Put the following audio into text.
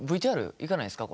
ＶＴＲいかないんすか？